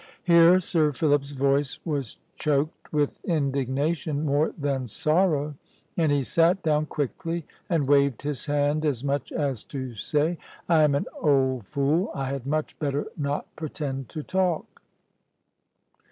Here Sir Philip's voice was choked with indignation more than sorrow, and he sat down quickly, and waved his hand, as much as to say, "I am an old fool, I had much better not pretend to talk."